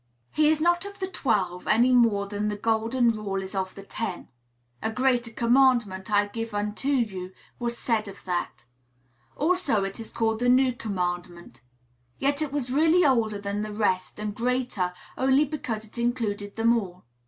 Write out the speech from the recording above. He is not of the twelve, any more than the golden rule is of the ten. "A greater commandment I give unto you," was said of that. Also it was called the "new commandment." Yet it was really older than the rest, and greater only because it included them all.